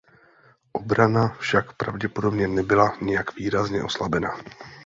Obrana však pravděpodobně nebyla nějak výrazně oslabena.